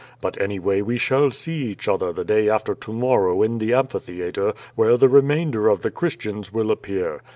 But anyway we shall see each other the day after to morrow in the amphitheatre, where the remainder of the Christians will appear.